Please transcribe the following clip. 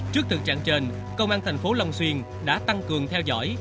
trước thực trạng trên công an thành phố long xuyên đã tăng cường theo dõi